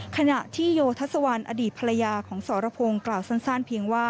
ขณะที่โยทัศวรรณอดีตภรรยาของสรพงศ์กล่าวสั้นเพียงว่า